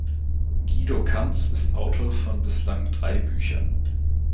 Guido Cantz ist Autor von bislang drei Büchern.